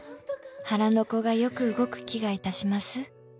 「腹の子がよく動く気がいたします」